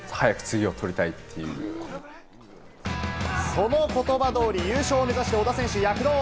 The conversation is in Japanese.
その言葉通り、優勝を目指して小田選手、躍動。